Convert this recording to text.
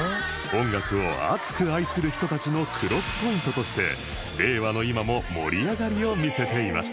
音楽を熱く愛する人たちのクロスポイントとして令和の今も盛り上がりを見せていました